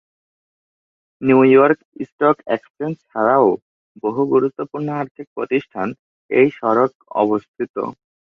New York stock exchange ছাড়াও বহু গুরুত্বপূর্ণ আর্থিক প্রতিষ্ঠান এই সড়ক অবস্থিত।